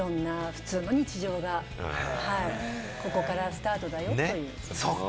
普通のいろんな日常が、ここからスタートだよという。